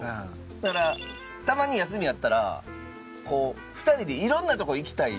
だからたまに休みあったら２人でいろんなとこ行きたい